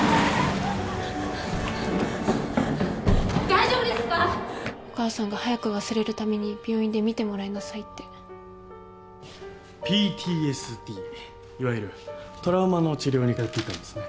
大丈夫ですか？お母さんが早く忘れるために病院で診てもらいなさいって。ＰＴＳＤ。いわゆるトラウマの治療に通っていたんですね。